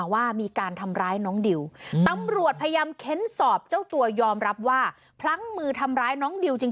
จริงจริงจริงจริงจริงจริงจริงจริงจริง